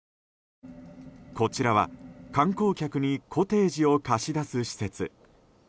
こちらは観光客にコテージを貸し出す施設。